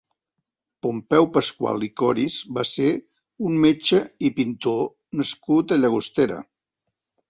Pompeu Pascual i Coris va ser un metge i pintor nascut a Llagostera.